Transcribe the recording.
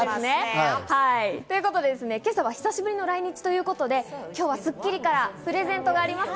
今朝は久しぶりの来日ということで、今日は『スッキリ』からプレゼントがあります。